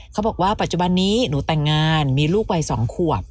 เขาบอกว่าปัจจุบันนี้หนูแต่งงานมีลูกวัย๒ขวบ